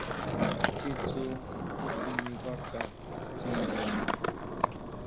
Chitsu kindibaca tsinina.